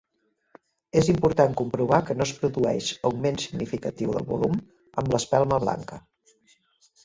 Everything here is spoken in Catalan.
És important comprovar que no es produeix augment significatiu del volum en l'espelma blanca.